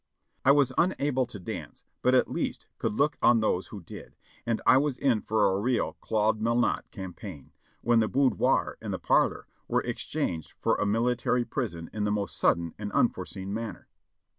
I was unable to dance, but at least could look on those who did, and I was in for a real "Claude ]\Iel nott" campaign, when the boudoir and the parlor were ex changed for a military prison in the most sudden and unforeseen manner.